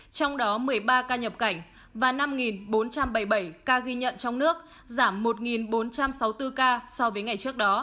trong đó một mươi ba ca nhập cảnh và năm bốn trăm bảy mươi bảy ca ghi nhận trong nước giảm một bốn trăm sáu mươi bốn ca so với ngày trước đó